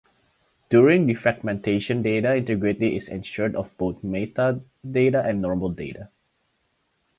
During defragmentation data integrity is ensured of both meta data and normal data.